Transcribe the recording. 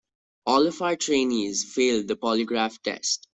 All of our trainees failed the polygraph test.